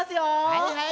はいはい。